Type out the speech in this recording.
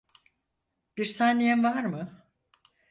Bir saniyen var mı?